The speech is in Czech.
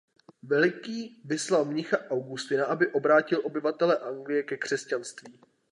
Veliký vyslal mnicha Augustina aby obrátil obyvatele Anglie ke křesťanství.